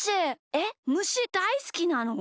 えっむしだいすきなの？